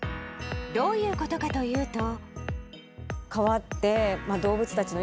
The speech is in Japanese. どういうことかというと。